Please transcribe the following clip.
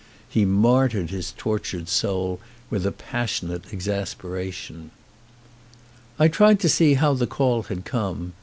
He martyred his tortured soul with a passionate exas peration. I tried to see how the call had come.